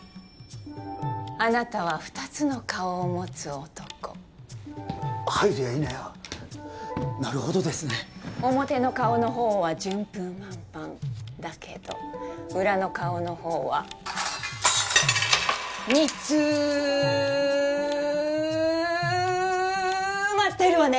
あなたは２つの顔を持つ男入るやいなやなるほどですね表の顔のほうは順風満帆だけど裏の顔のほうは煮詰まってるわね？